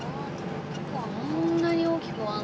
こんなに大きく。